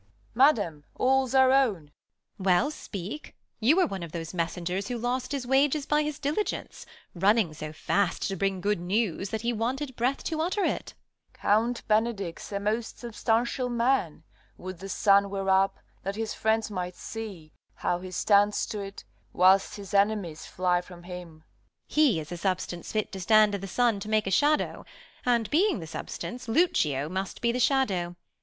1 98 THE LAW AGAINST LOVERS. Enter 1. PaCxE. 1 Page. Madam, all's our own ! Beat. Well, speak ! you are one of those mes sengers Who lost his wages by his diligence ; Running so fast to bring good news, that he Wanted breath to utter it. 1 Page. Count Benedick's a most substantial man. Would the sun were up, that his friends might see How he stands to't, whilst his enemies fly from him. Beat. He is a substance fit to stand i' th' sun To make a shadow. And, being the substance, Lucio must be the shadow